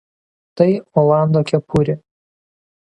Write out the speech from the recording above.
Tai Olando kepurė.